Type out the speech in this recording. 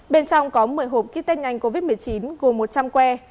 bên trong có một mươi hộp kit tết ngành covid một mươi chín gồm một trăm linh que